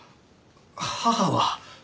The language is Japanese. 母は？